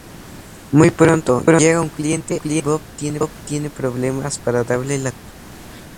Muy pronto, llega un cliente y Bob tiene problemas para darle la comida.